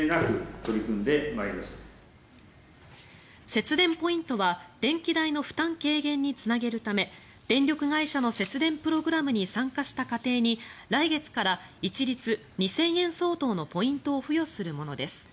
節電ポイントは電気代の負担軽減につなげるため電力会社の節電プログラムに参加した家庭に来月から一律２０００円相当のポイントを付与するものです。